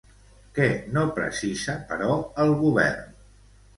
Què no precisa, però, el govern?